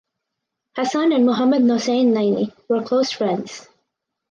Hassan and Muhammad Hossein Naini were close friends.